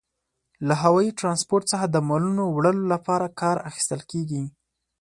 له هوايي ترانسپورت څخه د مالونو وړلو لپاره کار اخیستل کیږي.